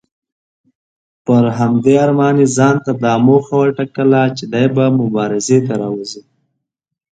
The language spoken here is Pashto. پر همدې ارمان یې ځانته دا موخه وټاکله چې دی به مبارزې ته راوځي.